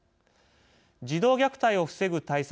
児童虐待を防ぐ対策。